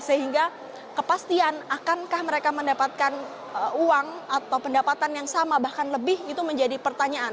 sehingga kepastian akankah mereka mendapatkan uang atau pendapatan yang sama bahkan lebih itu menjadi pertanyaan